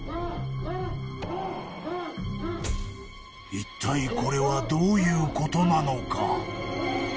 いったいこれはどういうことなのか？